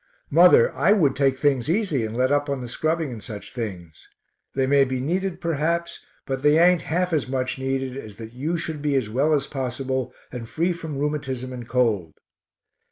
Mother, I would take things easy, and let up on the scrubbing and such things; they may be needed perhaps, but they ain't half as much needed as that you should be as well as possible, and free from rheumatism and cold.